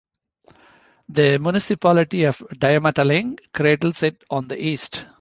The municipality of Dimataling cradles it on the east.